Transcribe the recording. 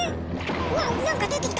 うわ何か出てきた！